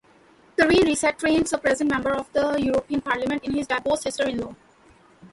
Karin Resetarits, a present member of the European Parliament, is his divorced sister-in-law.